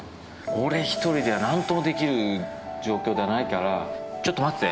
俺１人ではなんともできる状況ではないからちょっと待って。